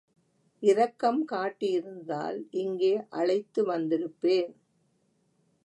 இரக்கம் காட்டியிருந்தால், இங்கே அழைத்து வந்திருப்பேன்.